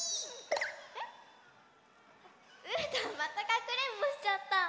えっ⁉うーたんまたかくれんぼしちゃった！